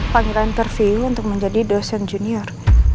panggilan interview untuk menjadi dosen junior